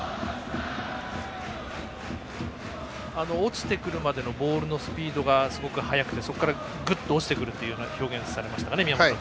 落ちてくるまでのボールのスピードがすごく速くてそこから、ぐっと落ちてくるという表現をされました宮本さん